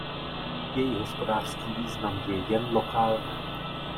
Její hospodářský význam je jen lokální.